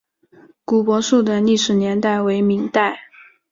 古柏树的历史年代为明代。